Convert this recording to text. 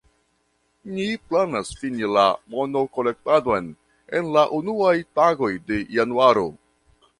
Ni planas fini la monkolektadon en la unuaj tagoj de januaro.